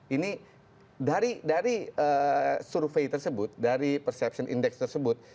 ini dari survei tersebut dari perception index tersebut